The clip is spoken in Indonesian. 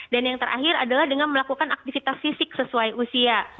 dan yang terakhir adalah dengan melakukan aktivitas fisik sesuai usia